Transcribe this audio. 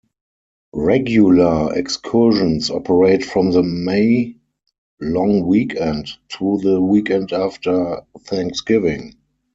Regular excursions operate from the May long weekend through to the weekend after Thanksgiving.